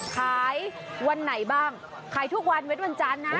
ขายวันไหนบ้างขายทุกวันเว็ดวันจันทร์นะ